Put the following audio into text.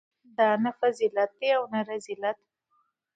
دا نه فضیلت دی او نه رذیلت.